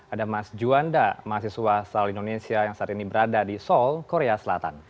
ada mas juanda mahasiswa sel indonesia yang saat ini berada di seoul korea selatan